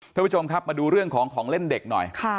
ท่านผู้ชมครับมาดูเรื่องของของเล่นเด็กหน่อย